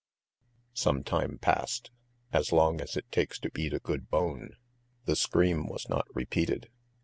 ..." Some time passed, as long as it takes to eat a good bone; the scream was not repeated.